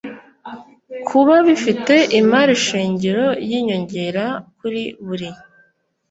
kuba bifite imari shingiro y inyongera kuri buri